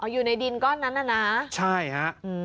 อยู่ในดินก้อนนั้นน่ะนะใช่ฮะ